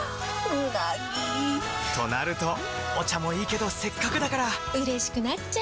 うなぎ！となるとお茶もいいけどせっかくだからうれしくなっちゃいますか！